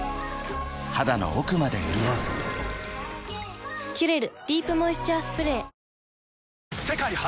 肌の奥まで潤う「キュレルディープモイスチャースプレー」世界初！